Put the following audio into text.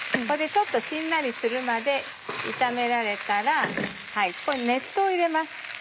ちょっとしんなりするまで炒められたらここに熱湯を入れます。